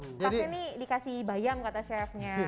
pastinya ini dikasih bayam kata chefnya